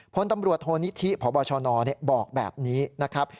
พลตำรวจโทนิธิพบชนบอกแบบนี้นะครับ